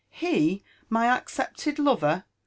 He my accepted lover!